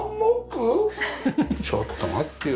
ちょっと待ってよ。